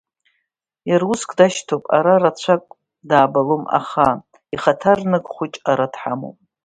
Иара уск дашьҭоуп, ара рацәак даабалом, аха ихаҭарнак хәыҷ ара дҳамоуп…